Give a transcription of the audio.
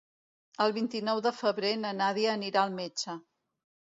El vint-i-nou de febrer na Nàdia anirà al metge.